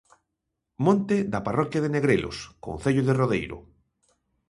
Monte da parroquia de Negrelos, concello de Rodeiro.